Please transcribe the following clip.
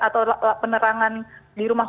atau penerangan di rumah